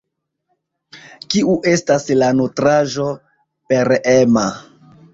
Kiu estas la nutraĵo pereema?